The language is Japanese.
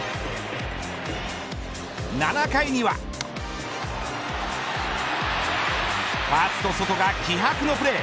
７回にはファースト、ソトが気迫のプレー。